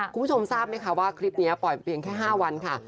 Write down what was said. คุณผู้ชมทราบไหมคะว่าคลิปนี้ปล่อยเพียงแค่๕วันค่ะ